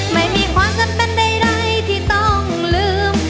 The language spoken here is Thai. ไม่มีความจำเป็นใดที่ต้องลืม